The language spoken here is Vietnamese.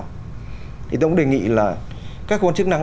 thì tôi cũng đề nghị là các khu văn chức năng